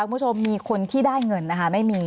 คุณผู้ชมมีคนที่ได้เงินนะคะไม่มี